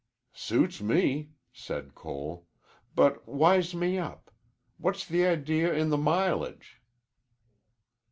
"Suits me," said Cole. "But wise me up. What's the idea in the mileage?"